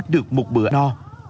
được một bữa đo